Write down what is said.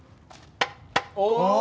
お！